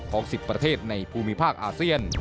๑๐ประเทศในภูมิภาคอาเซียน